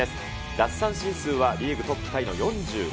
奪三振数はリーグトップタイの４６。